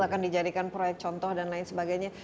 akan dijadikan proyek contoh dan lain sebagainya